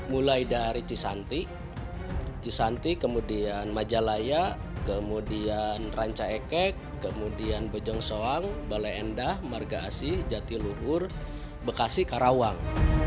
mulai dari cisanti cisanti kemudian majalaya kemudian ranca ekek kemudian bojong soang balai endah marga asih jatiluhur bekasi karawang